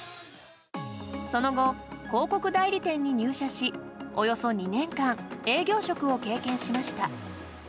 その後、広告代理店に入社しおよそ２年間営業職を経験しました。